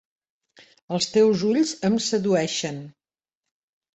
Els teus ulls em sedueixen.